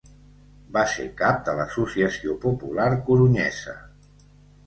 Va ser cap de l'Associació Popular Corunyesa.